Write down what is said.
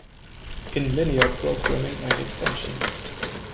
In Linear Programming and Extensions.